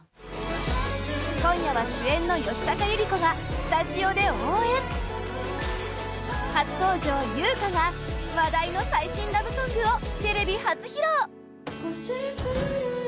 今夜は、主演の吉高由里子がスタジオで応援初登場、由薫が話題の最新ラブソングをテレビ初披露！